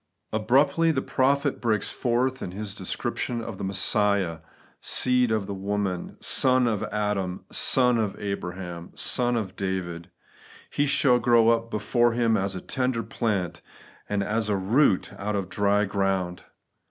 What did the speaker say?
Abruptly the prophet breaks forth in his descrip tion of Messiah, seed of the woman, son of Adam, son of Abraham, son of David :* He shall grow up before Him as a tender plant, and as a root out of a dry ground.'